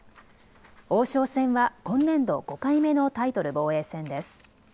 王将戦は今年度５回目のタイトル防衛戦です。